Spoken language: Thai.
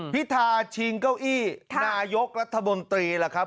พิธาชิงเก้าอี้นายกรัฐมนตรีล่ะครับ